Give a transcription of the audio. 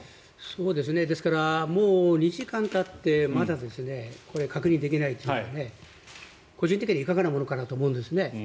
ですから２時間たってまだ確認できないというのは個人的にはいかがなものかと思うんですね。